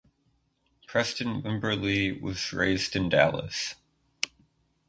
Preston Wimberly was raised in Dallas.